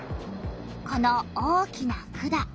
この大きな管。